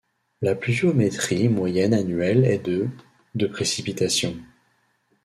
La pluviométrie moyenne annuelle est de de précipitations.